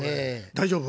大丈夫？